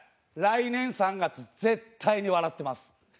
来年３月絶対に笑ってます。